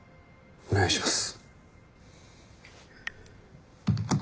お願いします。